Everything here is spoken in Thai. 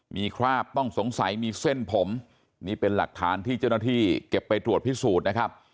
มีคราบต้องสงสัยมีเส้นผมนี่เป็นหลักฐานที่เจ้าหน้าที่เก็บไปตรวจพิสูจน์นะครับ